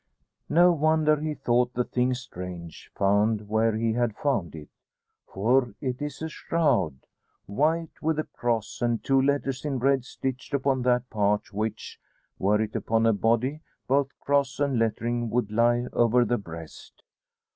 No wonder he thought the thing strange, found where he had found it. For it is a shroud! White, with a cross and two letters in red stitched upon that part which, were it upon a body, both cross and lettering would lie over the breast!